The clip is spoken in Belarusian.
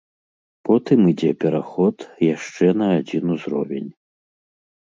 Потым ідзе пераход яшчэ на адзін узровень.